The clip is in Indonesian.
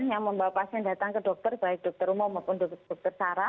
yang membawa pasien datang ke dokter baik dokter umum maupun dokter sara